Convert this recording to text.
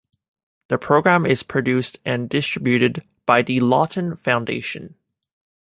The program is produced and distributed by the Lawton Foundation.